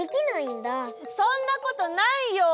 そんなことないよ！